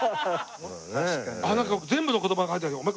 なんか全部の言葉が入ってるけどお前